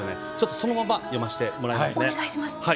そのまま読ませてもらいます。